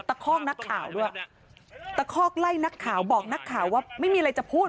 คอกนักข่าวด้วยตะคอกไล่นักข่าวบอกนักข่าวว่าไม่มีอะไรจะพูด